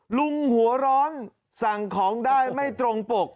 หัวร้อนสั่งของได้ไม่ตรงปก